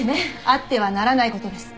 あってはならない事です。